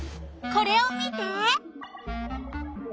これを見て。